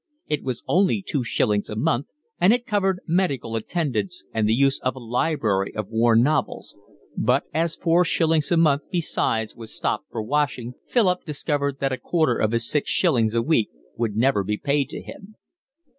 It was only two shillings a month, and it covered medical attendance and the use of a library of worn novels; but as four shillings a month besides was stopped for washing, Philip discovered that a quarter of his six shillings a week would never be paid to him.